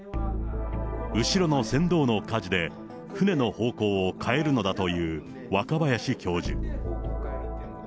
後ろの船頭のかじで、船の方向を変えるのだという若林教授。